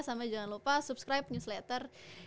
sama jangan lupa subscribe newsletter